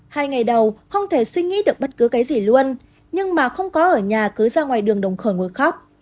hai ngày đầu không thể suy nghĩ được bất cứ cái gì luôn nhưng mà không có ở nhà cứ ra ngoài đường đồng khởi nguồn khóc